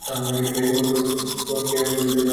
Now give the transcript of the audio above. এই জঘন্য গ্রহটাকে এবার বিদায় জানানোর পালা!